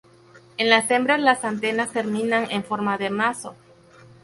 En las hembras las antenas terminan en forma de mazo.